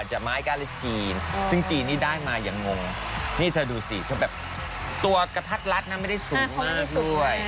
จากไม้ก้าเล็กจีนซึ่งจีนนี่ได้มาอย่างงงนี่เธอดูสิเธอแบบตัวกระทัดรัดนะไม่ได้สูงมากด้วย